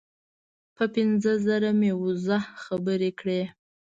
په پنځه زره مې وزه خبرې کړې.